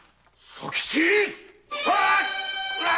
佐吉！